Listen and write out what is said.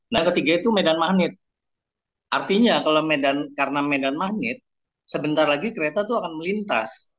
nah ketiga itu medan magnet artinya karena medan magnet sebentar lagi kereta itu akan melintas